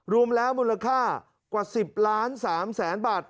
รวมแล้วมูลค่ากว่า๑๐๓๐๐๐๐๐บาท